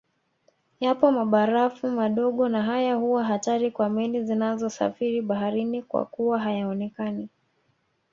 Yapo mabarafu madogo na haya huwa hatari kwa meli zinazosafiri baharini kwakuwa hayaonekani